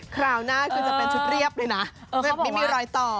คราวหน้าคือจะเป็นชุดเรียบเลยนะไม่มีรอยต่อ